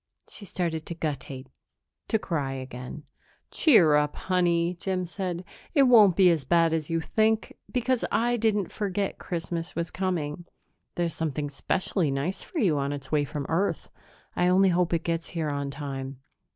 She started to guttate to cry again. "Cheer up, honey," Jim said. "It won't be as bad as you think, because I didn't forget Christmas was coming. There's something specially nice for you on its way from Earth; I only hope it gets here on time."